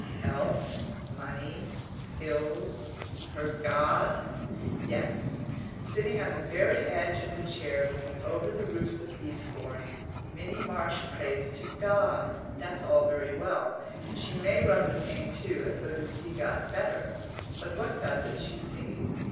Health, money, hills, her God?) Yes, sitting on the very edge of the chair looking over the roofs of Eastbourne, Minnie Marsh prays to God. That's all very well; and she may rub the pane too, as though to see God better; but what God does she see?